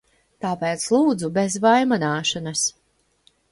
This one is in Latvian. Tāpēc, lūdzu, bez vaimanāšanas.